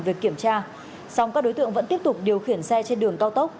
về kiểm tra song các đối tượng vẫn tiếp tục điều khiển xe trên đường cao tốc